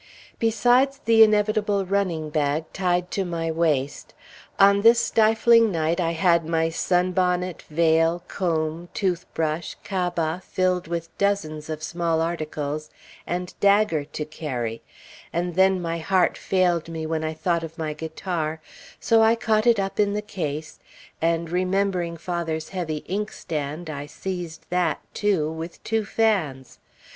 Besides the inevitable running bag, tied to my waist, on this stifling night I had my sunbonnet, veil, comb, toothbrush, cabas filled with dozens of small articles, and dagger to carry; and then my heart failed me when I thought of my guitar, so I caught it up in the case; and remembering father's heavy inkstand, I seized that, too, with two fans.